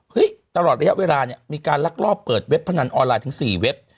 ตลอดระยะเวลาเนี่ยมีการลักลอบเปิดเว็บพนันออนไลน์ถึง๔เว็บ